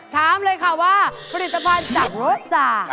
ถามเลยค่ะว่าผลิตภัณฑ์จากรสซา